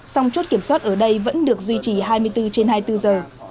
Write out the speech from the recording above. song chốt kiểm soát ở đây vẫn được duy trì hai mươi bốn trên hai mươi bốn giờ